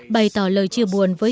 bày tỏ lời chia buồn với